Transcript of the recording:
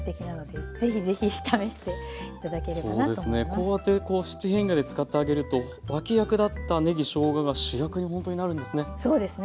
こうやって七変化で使ってあげると脇役だったねぎ・しょうがが主役にほんとになるんですね。